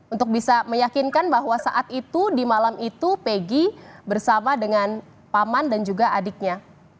untuk bisa meyakinkan bahwa saat itu di malam itu peggy bersama dengan paman dan juga adiknya